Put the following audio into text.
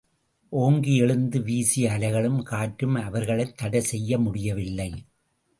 ஓங்கியெழுந்து வீசிய அலைகளும், காற்றும், அவர்களைத் தடை செய்ய முடியவில்லை.